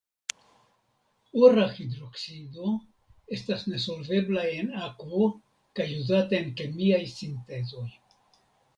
Ora (I) hidroksido estas nesolvebla en akvo kaj uzata en kemiaj sintezoj.